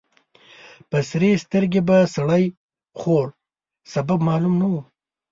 په سرې سترګې به سړی خوړ. سبب معلوم نه و.